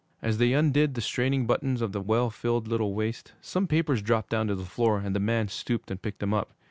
As they undid the straining buttons of the well filled little waist, some papers dropped down to the floor and the man stooped and picked them up.